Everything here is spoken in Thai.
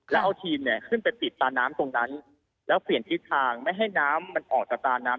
แล้วเอาทีมเนี่ยขึ้นไปติดตาน้ำตรงนั้นแล้วเปลี่ยนทิศทางไม่ให้น้ำมันออกจากตาน้ำ